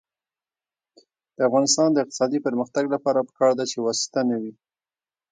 د افغانستان د اقتصادي پرمختګ لپاره پکار ده چې واسطه نه وي.